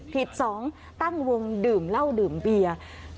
๒ตั้งวงดื่มเหล้าดื่มเบียร์